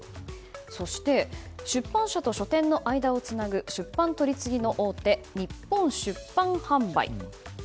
そして出版社と書店の間をつなぐ出版取次の大手、日本出版販売。